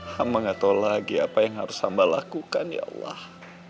hamba gak tau lagi apa yang harus hamba lakukan ya allah